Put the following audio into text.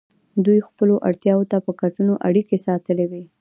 دوی خپلو اړتیاوو ته په کتو اړیکې ساتلې وې.